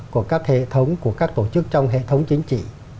của các hệ thống của các tổ chức trong hệ thống chính trị